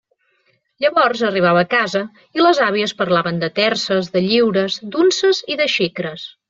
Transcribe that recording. Llavors arribava a casa i les àvies parlaven de terces, de lliures, d'unces i de xicres.